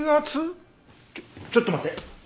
ちょちょっと待って。